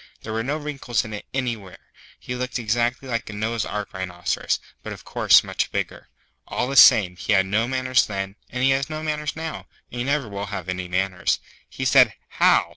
There were no wrinkles in it anywhere. He looked exactly like a Noah's Ark Rhinoceros, but of course much bigger. All the same, he had no manners then, and he has no manners now, and he never will have any manners. He said, 'How!